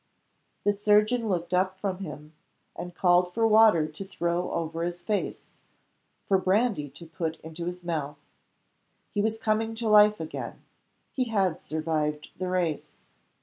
The surgeon looked up from him, and called for water to throw over his face, for brandy to put into his mouth. He was coming to life again he had survived the race.